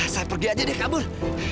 saya pergi aja dia kabur